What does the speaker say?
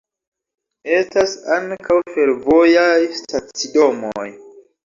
Estas ankaŭ fervojaj stacidomoj.